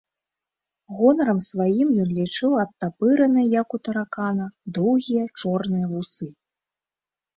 Гонарам сваім ён лічыў адтапыраныя, як у таракана, доўгія чорныя вусы.